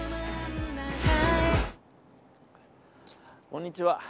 こんにちは。